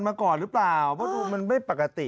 มาก่อนหรือเปล่าเพราะดูมันไม่ปกติ